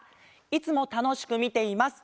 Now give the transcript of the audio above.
「いつもたのしくみています！